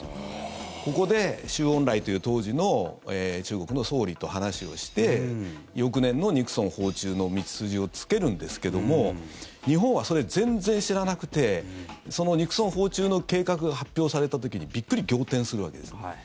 ここで周恩来という当時の中国の総理と話をして翌年のニクソン訪中の道筋をつけるんですけども日本はそれ、全然知らなくてニクソン訪中の計画が発表された時にびっくり仰天するわけです。